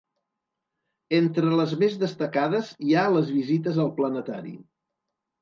Entre les més destacades hi ha les visites al planetari.